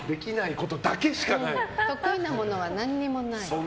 得意なものは何もない。